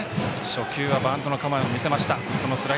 初球はバントの構えも見せました